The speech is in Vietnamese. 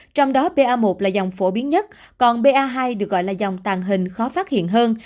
trong đó pa một là dòng phổ biến nhất còn ba hai được gọi là dòng tàn hình khó phát hiện hơn